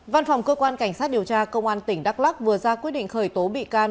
văn phòng cơ quan cảnh sát điều tra công an tỉnh đắk lắc vừa ra quyết định khởi tố bị can